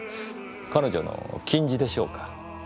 彼女の矜持でしょうか。